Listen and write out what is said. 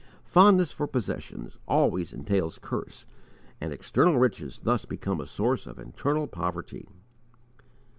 Fondness for possessions always entails curse, and external riches thus become a source of internal poverty.